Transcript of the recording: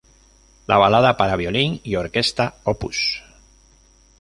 La "Balada para violín y orquesta op.